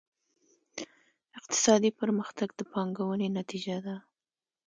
اقتصادي پرمختګ د پانګونې نتیجه ده.